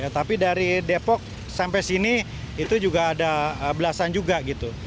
tapi dari depok sampai sini itu juga ada belasan juga gitu